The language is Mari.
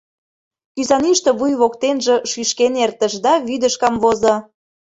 Кӱзанӱштӧ вуй воктенже шӱшкен эртыш да вӱдыш камвозо.